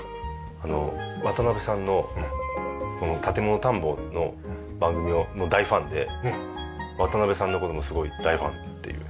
渡辺さんのこの『建もの探訪』の番組の大ファンで渡辺さんの事もすごい大ファンっていう。